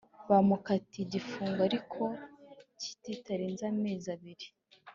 bamukatiye igifungo ariko kitarenze amezi abiri.